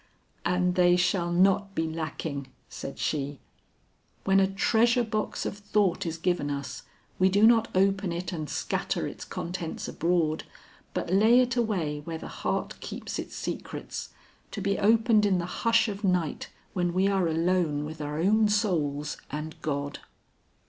"And they shall not be lacking," said she. "When a treasure box of thought is given us, we do not open it and scatter its contents abroad, but lay it away where the heart keeps its secrets, to be opened in the hush of night when we are alone with our own souls and God."